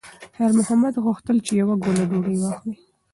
خیر محمد غوښتل چې یوه ګوله ډوډۍ واخلي.